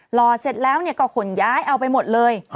รอเสร็จแล้วก็ขนย้ายเอาไปหมดเลย